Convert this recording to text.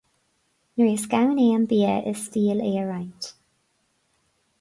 Nuair is gann é an bia is fial é a roinnt.